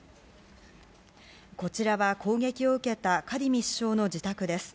こちらは攻撃を受けたカディミ首相の自宅です。